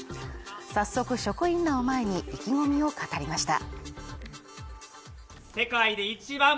早速、職員らを前に意気込みを語りました。